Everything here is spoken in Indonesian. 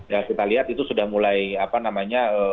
ya kita lihat itu sudah mulai apa namanya